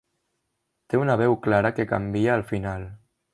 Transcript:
Té una veu clara que canvia al final.